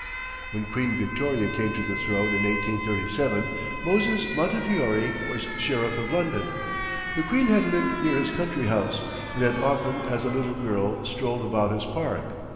When Queen Victoria came to the throne in 1837, Moses Montefiore was sheriff of London. The queen had lived near his country house, and had often as a little girl strolled about his park.